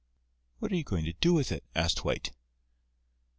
"What are you going to do with it?" asked White.